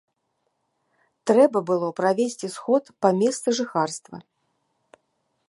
Трэба было правесці сход па месцы жыхарства.